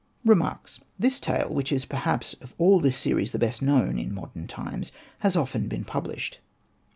REMARKS This tale, which is perhaps, of all this series, the best known in modern times, has often been published.